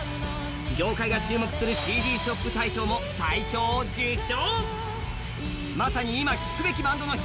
業界が注目するＣＤショップ大賞も大賞を受賞。